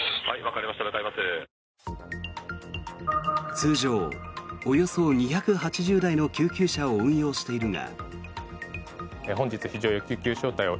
通常およそ２８０台の救急車を運用しているが。